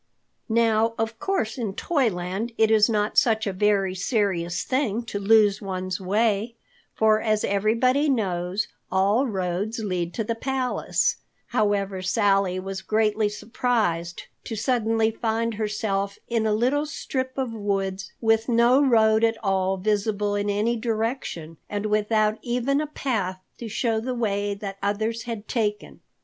Now, of course in Toyland it is not such a very serious thing to lose one's way, for as everybody knows, all roads lead to the palace. However, Sally was greatly surprised to suddenly find herself in a little strip of woods, with no road at all visible in any direction, and without even a path to show the way that others had taken.